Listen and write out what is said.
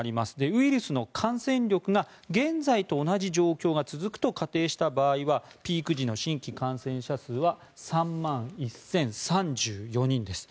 ウイルスの感染力が現在と同じ状況が続くと仮定した場合はピーク時の新規感染者数は３万１０３４人です。